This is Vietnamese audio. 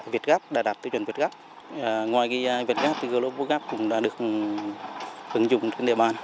việt gáp đã đạt tiêu chuẩn việt gáp ngoài việt gap thì global gap cũng đã được ứng dụng trên địa bàn